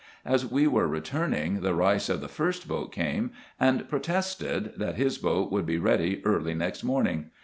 As we were returning, the Reis of the first boat came, and protested, that his boat would be ready early next morning.